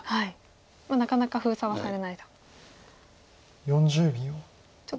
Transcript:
なかなか封鎖はされないと。